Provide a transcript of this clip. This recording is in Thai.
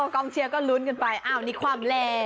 กองเชียร์ก็ลุ้นกันไปอ้าวนี่ความแหล่